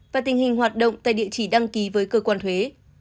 và tình hình hoạt động tại địa chỉ đăng ký với cơ quan thuế